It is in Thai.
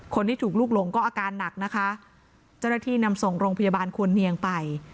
คนที่ถูกลูกหลงก็อาการหนักนะคะเจ้าหน้าที่นำส่งโรงพยาบาลควรเนียงไป